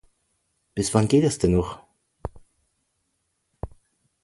Bis wann geht das denn noch?